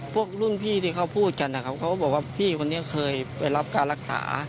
เพราะกลัวบางทีก็กลัวงัน